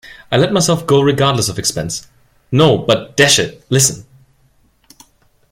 I let myself go regardless of expense: No, but dash it, listen.